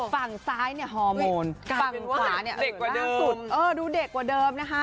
ฝั่งซ้ายเนี่ยฮอร์โมนฝั่งขวานเนี่ยดูเด็กกว่าเดิม